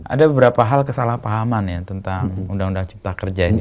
ada beberapa hal kesalahpahaman ya tentang undang undang cipta kerja ini